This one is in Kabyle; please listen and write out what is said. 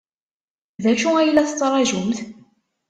D acu ay la tettṛajum?